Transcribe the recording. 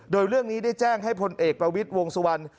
โดยเรื่องนี้ได้แจ้งให้พลเอกประวิทย์วงสุวรรณ